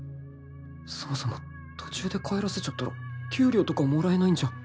そもそも途中で帰らせちゃったら給料とかもらえないんじゃ